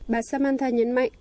bà samatha nhấn mạnh